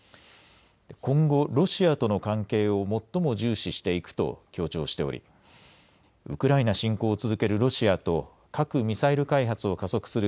今後、ロシアとの関係を最も重視していくと強調しておりウクライナ侵攻を続けるロシアと核・ミサイル開発を加速する